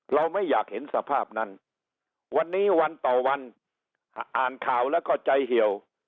เราไม่อยากเห็นสภาพนั้นวันนี้วันต่อวันอ่านข่าวแล้วก็ใจเหี่ยว